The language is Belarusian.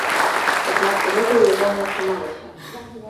Аднак гэта ў яго не атрымалася.